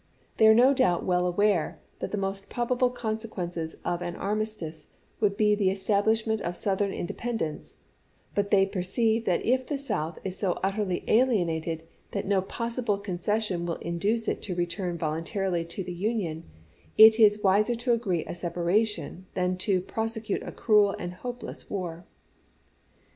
They are no doubt well aware that the most probable consequences of an armistice would be the estab lishment of Southern independence, but they per ceive that if the South is so utterly alienated that no possible concession will induce it to return vol untarily to the Union, it is wiser to agree to sepa ration than to prosecute a cruel and hopeless war."